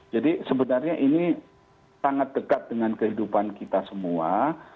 jadi sebenarnya ini sangat dekat dengan kehidupan kita semua